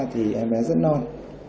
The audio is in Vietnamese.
thì em bé rất non